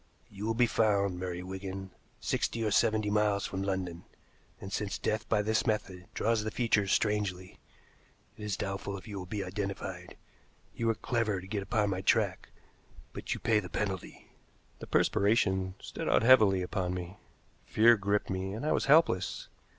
You will be found, Murray Wigan, sixty or seventy miles from London, and since death by this method draws the features strangely, it is doubtful if you will be identified. You were clever to get upon my track, but you pay the penalty." The perspiration stood out heavily upon me. Fear gripped me, and I was helpless.